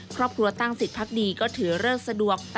ครอบครัวตั้งสิทธิพักดีก็ถือเลิกสะดวก